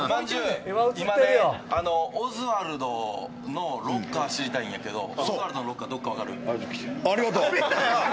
今、オズワルドのロッカーを知りたいんだけどオズワルドのロッカーどこか分かる？